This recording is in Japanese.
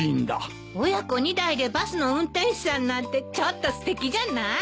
親子二代でバスの運転手さんなんてちょっとすてきじゃない。